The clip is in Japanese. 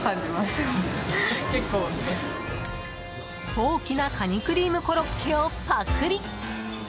大きなカニクリームコロッケをパクリ。